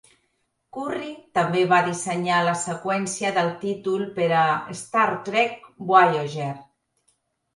Curry també va dissenyar la seqüencia del títol per a "Star Trek Voyager".